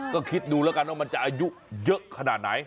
ก็คิดดูแล้วกันว่ามันจะอายุเยอะขนาดไหน